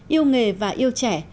yêu nghề và yêu trẻ